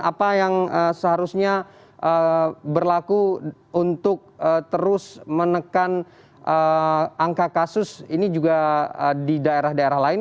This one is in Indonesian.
apa yang seharusnya berlaku untuk terus menekan angka kasus ini juga di daerah daerah lain